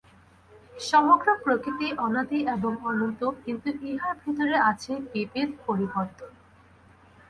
সমগ্র প্রকৃতি অনাদি এবং অনন্ত, কিন্তু ইহার ভিতরে আছে বিবিধ পরিবর্তন।